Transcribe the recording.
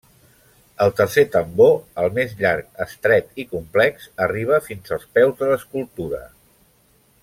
El tercer tambor, el més llarg, estret i complex, arriba fins als peus de l'escultura.